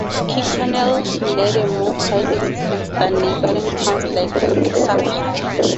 Kirkconnel led a more quiet existence than neighboring towns like Sanquhar.